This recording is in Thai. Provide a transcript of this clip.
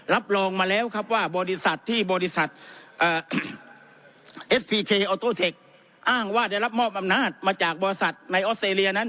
รับรองมาแล้วครับว่าบริษัทที่บริษัทเอสพีเคออโตเทคอ้างว่าได้รับมอบอำนาจมาจากบริษัทในออสเตรเลียนั้น